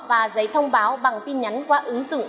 và giấy thông báo bằng tin nhắn qua ứng dụng